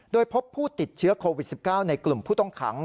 โดยพบผู้ติดเชื้อโควิด๑๙ในกลุ่มผู้ต้องขัง